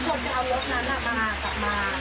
ก็คือพี่เขามีไฟโก้ทองสาม